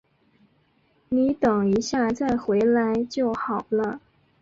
你等一下再回来就好了